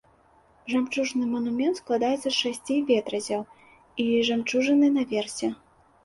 Жамчужны манумент складаецца з шасці ветразяў і жамчужыны наверсе.